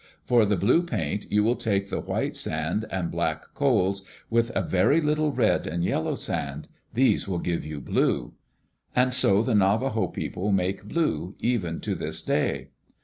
For the blue paint you will take white sand and black coals with a very little red and yellow sand. These will give you blue." And so the Navajo people make blue, even to this day.